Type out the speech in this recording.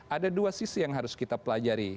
ada dua sisi yang harus kita pelajari